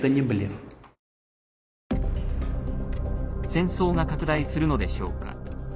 戦争が拡大するのでしょうか。